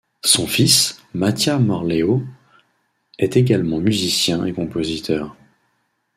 Son fils Mattia Morleo est également musicien et compositeur.